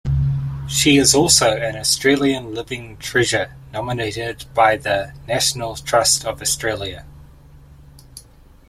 She is also an Australian Living Treasure nominated by the National Trust of Australia.